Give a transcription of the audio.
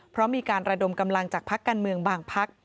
เพราะมีการระดมกำลังจากพักการเมืองบางพัก